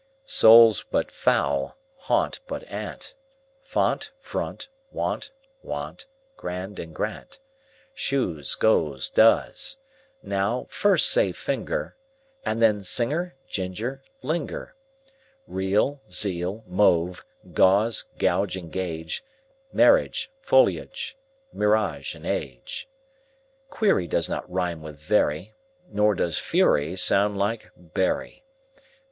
Soul, but foul and gaunt, but aunt; Font, front, wont; want, grand, and, grant, Shoes, goes, does.) Now first say: finger, And then: singer, ginger, linger. Real, zeal; mauve, gauze and gauge; Marriage, foliage, mirage, age. Query does not rime with very, Nor does fury sound like bury.